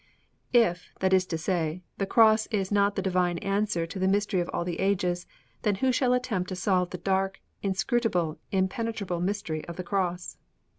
If, that is to say, the Cross is not the divine answer to the mystery of all the ages, then who shall attempt to solve the dark, inscrutable, impenetrable mystery of the Cross?